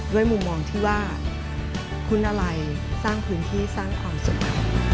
มุมมองที่ว่าคุณอะไรสร้างพื้นที่สร้างความสุข